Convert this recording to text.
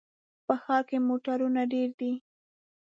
په ښار کې موټرونه ډېر دي.